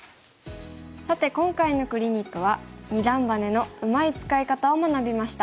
さて今回のクリニックは二段バネのうまい使い方を学びました。